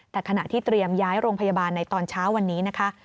แต่ขณะที่เตรียมย้ายโรงพยาบาลในตอนเช้าวันนี้นะคะ